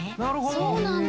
そうなんだ。